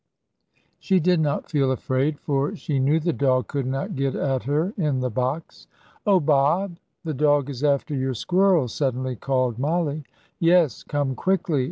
She did not feel afraid, for she knew the dog could not get at her in the box. "Oh, Bob! The dog is after your squirrel!" suddenly called Mollie. "Yes, come quickly!"